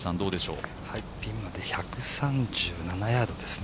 ピンまで１３７ヤードですね。